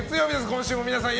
今週も皆さん